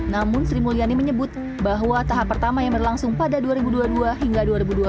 namun sri mulyani menyebut bahwa tahap pertama yang berlangsung pada dua ribu dua puluh dua hingga dua ribu dua puluh